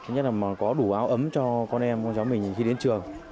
nhất là có đủ áo ấm cho con em con cháu mình khi đến trường